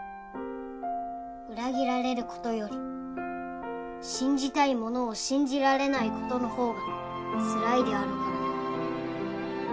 裏切られる事より信じたいものを信じられない事のほうがつらいであるからな。